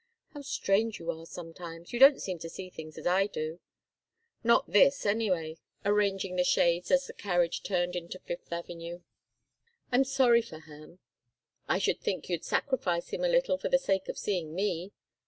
How strange you are sometimes! You don't seem to see things as I do." "Not this, anyway," cried John, arranging the shades as the carriage turned into Fifth Avenue. "I'm sorry for Ham." "I should think you'd sacrifice him a little for the sake of seeing me."